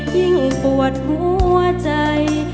ยิ่งปวดหัวใจ